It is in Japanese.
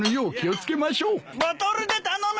ボトルで頼む！